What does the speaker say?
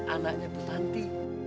anaknya itu tante